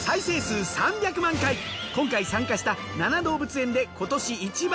今回参加した７動物園で今年１番